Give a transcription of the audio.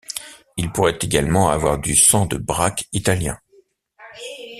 Il pourrait également avoir du sang de braque italien.